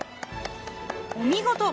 お見事！